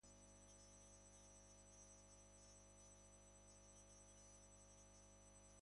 Datozen orduotan gera liteke aske.